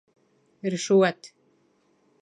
Ришүәт.